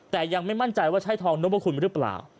แต่ยังไม่มั่นใจว่าใช่ทองนพคุณหรือเปล่า